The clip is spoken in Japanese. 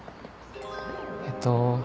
えっと